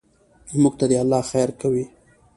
موږ ته دې الله خیر کوي.